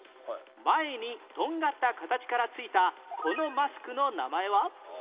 前にとんがった形から付いたこのマスクの名前は？